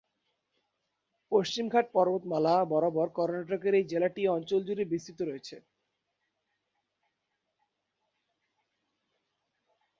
পশ্চিমঘাট পর্বতমালা বরাবর কর্ণাটকের এই জেলাটি অঞ্চল জুড়ে বিস্তৃত রয়েছে।